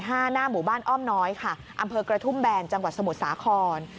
หน้าหมู่บ้านอ้อมน้อยค่ะอำเภอกระทุ่มแบนจังหวัดสมุทรสาคร